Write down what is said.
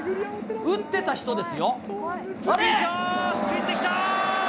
打ってた人ですよ。